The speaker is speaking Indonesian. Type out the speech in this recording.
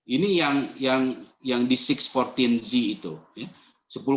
ini yang di enam ratus empat belas z itu